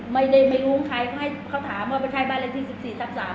ไม่ได้ไม่รู้ของใครเขาถามว่าเป็นใช้บรรที๑๔๓ไหม